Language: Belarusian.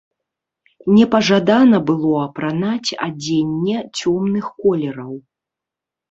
Непажадана было апранаць адзенне цёмных колераў.